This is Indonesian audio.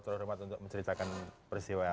terhormat untuk menceritakan persiwa